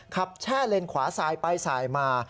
แช่เลนขวาสายไปสายมา